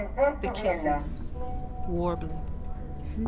_ THE KISSES: _(Warbling.)